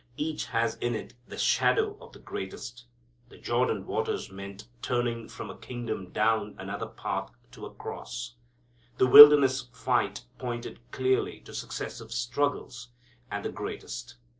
Each has in it the shadow of the greatest. The Jordan waters meant turning from a kingdom down another path to a cross. The Wilderness fight pointed clearly to successive struggles, and the greatest.